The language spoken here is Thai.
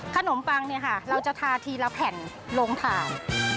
ปังเนี่ยค่ะเราจะทาทีละแผ่นลงถ่าน